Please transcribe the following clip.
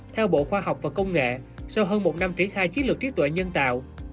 theo bộ khoa học và công nghệ sau hơn một năm triển khai chiến lược trí tuệ nhân tạo